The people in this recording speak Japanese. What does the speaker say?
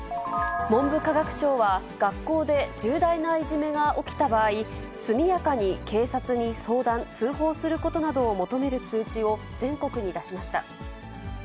文部科学省は、学校で重大ないじめが起きた場合、速やかに警察に相談・通報することなどを求める通知を全国に出しました。